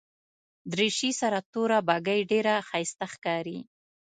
دریشي سره توره بګۍ ډېره ښایسته ښکاري.